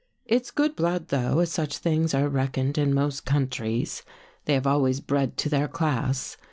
" It's good blood though, as such things are reckoned in most countries. They have always bred to their class.